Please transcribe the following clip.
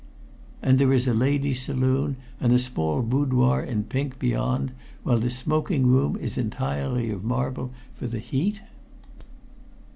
"And there is a ladies' saloon and a small boudoir in pink beyond, while the smoking room is entirely of marble for the heat?"